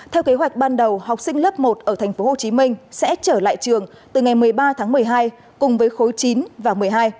theo kế hoạch ban đầu học sinh lớp một ở tp hcm sẽ trở lại trường từ ngày một mươi ba tháng một mươi hai cùng với khối chín và một mươi hai